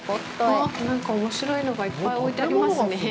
あっ、何か、おもしろいのがいっぱい置いてありますね。